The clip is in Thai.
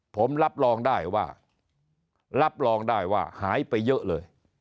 ผมรับรองได้ว่ารับรองได้ว่าหายไปเยอะเลย